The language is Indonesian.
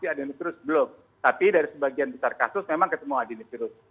seharusnya pasti ada nipirus belum tapi dari sebagian besar kasus memang ketemu adenipirus